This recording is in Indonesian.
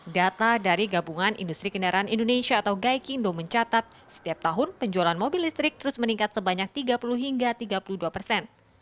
data dari gabungan industri kendaraan indonesia atau gaikindo mencatat setiap tahun penjualan mobil listrik terus meningkat sebanyak tiga puluh hingga tiga puluh dua persen